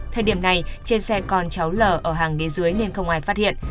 thời điểm này trên xe còn cháu lở ở hàng đế dưới nên không ai phát hiện